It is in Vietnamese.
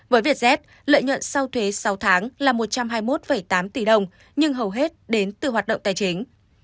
với vietjet lợi nhuận sau thuế sáu tháng là một trăm hai mươi một tám tỷ đồng nhưng hầu hết đến từ hoạt động tài chính